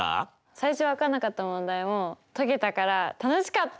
最初分かんなかった問題も解けたから楽しかった！